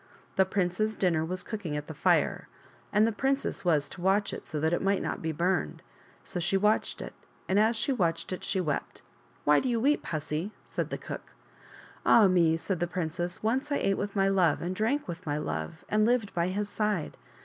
The prince's dinner was cooking at the fire, and the princess was to watch it so that it might not be burned. So she watched it, and as she watched it she wept. " Why do you weep, hussy?" said the cook. " Ah me !" said the princess, " once I ate with my love and drank with my love and lived by his side.